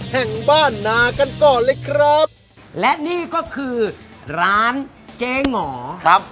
แห่งบ้านนากันก่อนเลยครับและนี่ก็คือร้านเจ๊งอครับ